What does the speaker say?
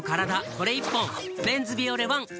これ１本「メンズビオレＯＮＥ」